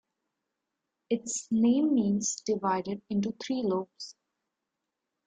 Its name means 'divided into three lobes'.